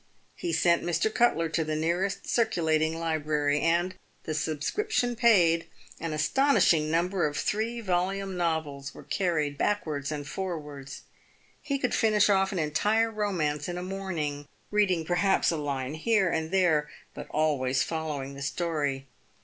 He sent Mr. Cutler to the nearest circulating library, and, the subscription paid, an astounding number of three volume novels were carried backwards and forwards. He could finish off an entire romance in a morning, reading perhaps a line here and there, but always following the story.